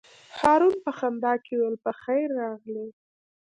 هارون په خندا کې وویل: په خیر راغلې.